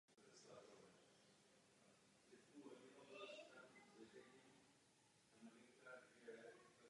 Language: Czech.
Jednací řád skupiny nezná kategorii „členství ve skupině“.